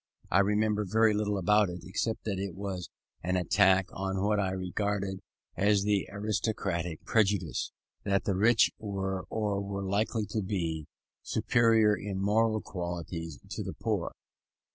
I remember very little about it, except that it was an attack on what I regarded as the aristocratic prejudice, that the rich were, or were likely to be, superior in moral qualities to the poor.